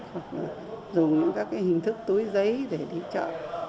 hoặc là dùng những các cái hình thức túi giấy để đi chợ